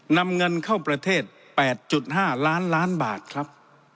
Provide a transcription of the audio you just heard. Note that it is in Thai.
นำเงินเข้าประเทศ๘๕ล้านล้านบาทครับ